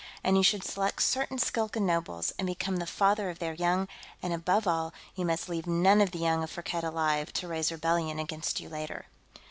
And you should select certain Skilkan nobles, and become the father of their young, and above all, you must leave none of the young of Firkked alive, to raise rebellion against you later."